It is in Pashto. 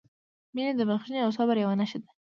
• مینه د بښنې او صبر یوه نښه ده.